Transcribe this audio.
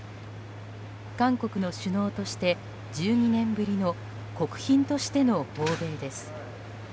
韓国の首脳として１２年ぶりの国賓としての訪米です。